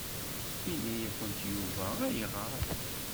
Yenna-yakent Yuba ayɣer?